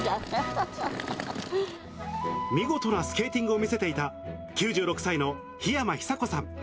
見事なスケーティングを見せていた、９６歳のひやまひさこさん。